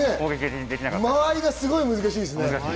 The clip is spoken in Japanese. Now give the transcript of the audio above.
間合いがすごく難しいですね。